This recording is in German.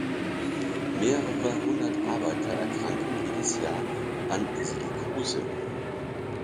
Mehrere hundert Arbeiter erkranken jedes Jahr an Silikose.